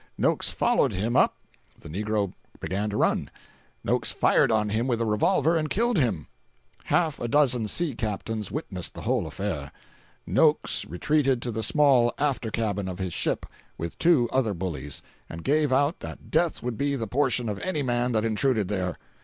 Noakes followed him up; the negro began to run; Noakes fired on him with a revolver and killed him. Half a dozen sea captains witnessed the whole affair. Noakes retreated to the small after cabin of his ship, with two other bullies, and gave out that death would be the portion of any man that intruded there.